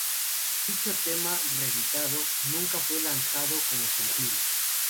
Dicho tema reeditado nunca fue lanzado como sencillo.